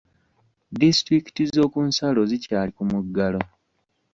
Disitulikiti z'okunsalo zikyali ku muggalo.